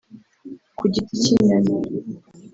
ku Giti cy’inyoni